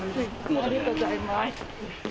ありがとうございます。